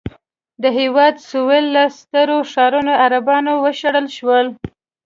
د هېواد سوېل له سترو ښارونو عربان وشړل شول.